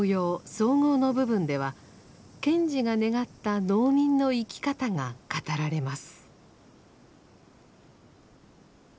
綜合の部分では賢治が願った農民の生き方が語られます。